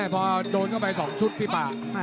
พอโดนเข้าไป๒ชุดพี่ป่า